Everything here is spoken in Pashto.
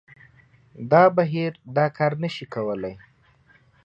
دا بهیر دا کار نه شي کولای